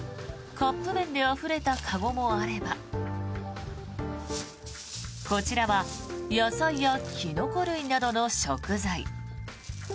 カップ麺であふれた籠もあればこちらは野菜やキノコ類などの食材。